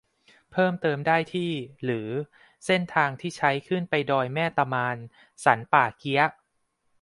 เพิ่มเติมได้ที่ หรือ เส้นทางที่ใช้ขึ้นไปดอยแม่ตะมาน สันป่าเกี๊ยะ